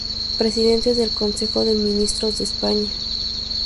Presidentes del Consejo de Ministros de España